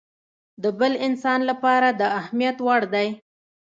د بل انسان لپاره د اهميت وړ دی.